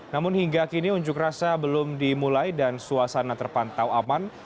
namun hingga kini unjuk rasa belum dimulai dan suasana terpantau aman